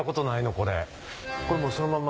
これもうそのまま？